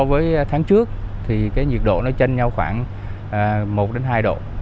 và so với tháng trước thì cái nhiệt độ nó chênh nhau khoảng một đến hai độ